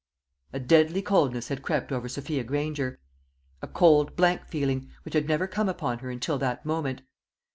A deadly coldness had crept over Sophia Granger a cold, blank feeling, which had never come upon her until that moment.